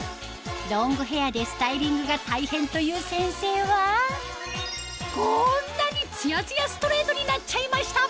ロングヘアでスタイリングが大変という先生はこんなにツヤツヤストレートになっちゃいました